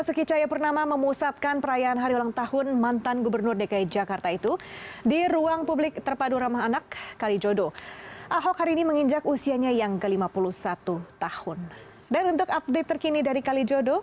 selain ulang tahun para relawan juga akan merayakan ulang tahun ahok pada dua puluh satu juni